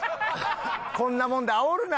こんなもんであおるな。